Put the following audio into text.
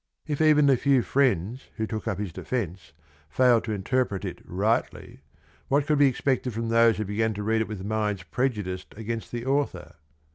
If even the few friends who took up his defence failed to interpret it rightly, what could be expected from those who began to read it with minds prejudiced against the author?